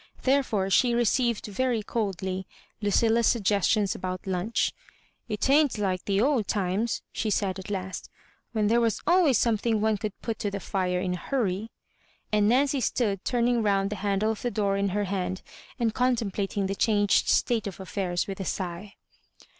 Therefore, she received very coldly Lucilla's suggestions about lunch. *' It ain't like the old times," she said at last, " when there was always something as one could put to the fire in a hurry ;" and Naor cy stood turning round the handle of the door in her hand, and contemplating the changed state of aSairs with a sigh.